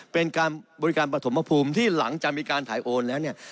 เป็นการบริการประถมภูมิที่หลังจากมีการถ่ายโอนแล้วเนี่ย